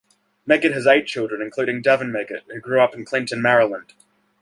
Meggett has eight children, including Davin Meggett, who grew up in Clinton, Maryland.